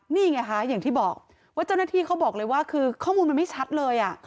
นี่ไงคะอย่างที่บอกว่าเจ้าหน้าที่เขาบอกเลยว่าคือข้อมูลมันไม่ชัดเลย